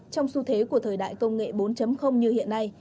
trong xu thế của thời đại công nghệ bốn như hiện nay